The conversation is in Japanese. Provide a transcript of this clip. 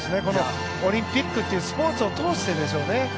このオリンピックというスポーツを通してでしょうね。